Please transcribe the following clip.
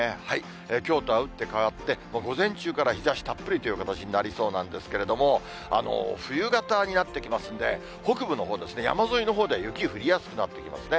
きょうとは打って変わって、午前中から日ざしたっぷりという形になりそうなんですけれども、冬型になってきますんで、北部のほう、山沿いのほうでは雪降りやすくなってきますね。